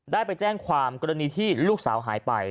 ได้ไปแจ้งความกรณีที่ลูกสาวหายไป